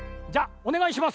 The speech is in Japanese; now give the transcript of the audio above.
おねがいします。